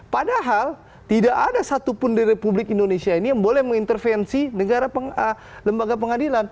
padahal tidak ada satupun di republik indonesia ini yang boleh mengintervensi lembaga pengadilan